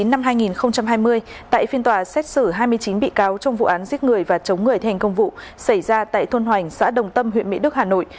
năm hai nghìn hai mươi tại phiên tòa xét xử hai mươi chín bị cáo trong vụ án giết người và chống người thi hành công vụ xảy ra tại thôn hoành xã đồng tâm huyện mỹ đức hà nội